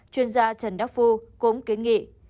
chuyên gia trần đắc phu cũng kiến nghị